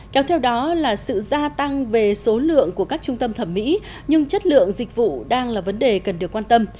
kéo theo đó là sự gia tăng về số lượng của các trung tâm thẩm mỹ nhưng chất lượng dịch vụ đang là vấn đề cần được quan tâm